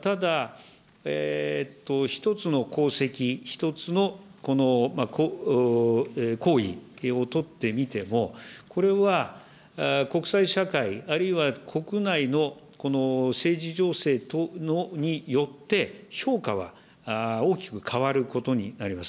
ただ、１つの功績、１つの行為を取ってみても、これは国際社会、あるいは国内のこの政治情勢等によって、評価は大きく変わることになります。